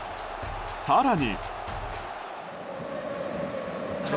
更に。